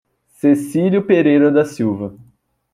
Cecilio Pereira da Silva